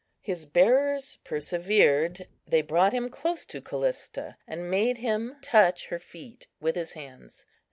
His bearers persevered; they brought him close to Callista, and made him touch her feet with his hands.